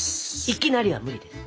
「いきなり」は無理です。